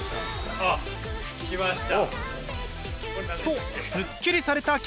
あっ来ました。